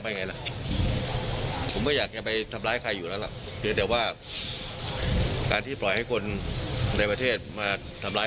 นี่คือคุณทักศิลป์บอกว่าถ้าเป็นเขาที่๖เดือนเขาทำได้แน่